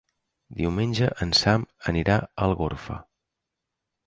Diumenge en Sam anirà a Algorfa.